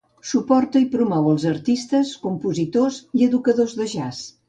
Suporta i promou els artistes, compositors i educadors de jazz.